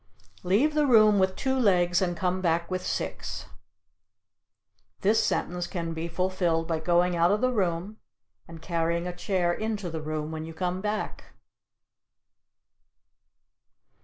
Leave the Room with two Legs and Come Back with Six. This sentence can be fulfilled by going out of the room and carrying a chair into the room when you come back.